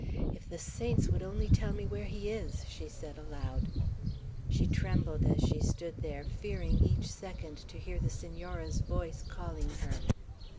"If the saints would only tell me where he is!" she said aloud. She trembled as she stood there, fearing each second to hear the Senora's voice calling her.